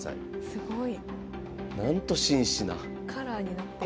すごい。